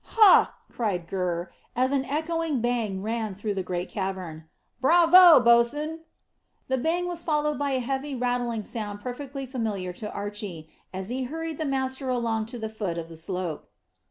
"Hah!" cried Gurr, as an echoing bang ran through the great cavern. "Bravo, bo's'n!" The bang was followed by a heavy rattling sound perfectly familiar to Archy, as he hurried the master along to the foot of the slope.